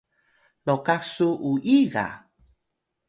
lokah su uyi ga?